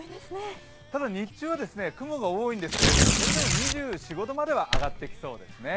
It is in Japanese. ただ日中は雲が多いんですけれども、それでも２４２５度までは上がってきそうですね。